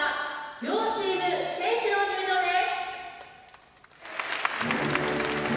両チームの選手の登場です。